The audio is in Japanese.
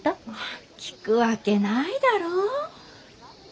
あ聞くわけないだろう？